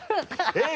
えっ？